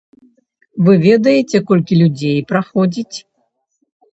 Вы ведаеце, колькі людзей праходзіць.